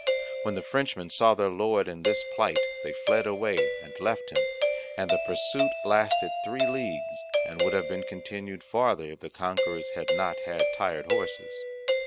When the Frenchmen saw their Lord in this plight they fled away and left him; and the pursuit lasted three leagues, and would have been continued farther if the conquerors had not had tired horses.